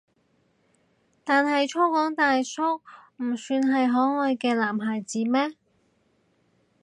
但係粗獷大叔唔算係可愛嘅男孩子咩？